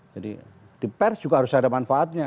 jadi di pers juga harus ada manfaatnya